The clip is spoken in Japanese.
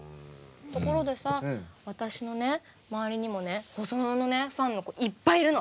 ところでさ私の周りにもねホソノのファンの子いっぱいいるの！